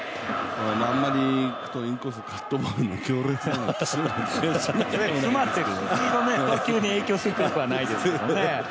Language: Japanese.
あんまりいくとインコース、カットボール、強烈なのがくるから投球に影響するとよくないですけどね。